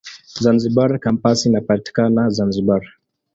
Zanzibar Kampasi inapatikana Zanzibar.